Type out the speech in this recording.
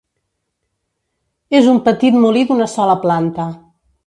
És un petit molí d'una sola planta.